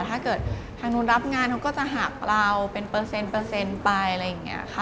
ถ้าเกิดทางนู้นรับงานเขาก็จะหักเราเป็นเปอร์เซ็นต์ไปอะไรอย่างนี้ค่ะ